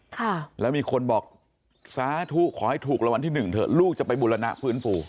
ค่ะแล้วมีคนบอกสาธุขอให้ถูกรางวัลที่หนึ่งเถอะลูกจะไปบุรณะฟื้นฟู